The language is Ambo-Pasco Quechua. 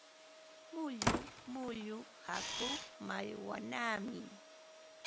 Mullu mullu hakuu makwanaami.